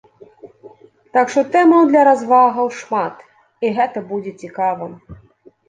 Так што тэмаў для развагаў шмат, і гэта будзе цікава!